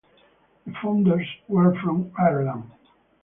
The founders were from Ireland.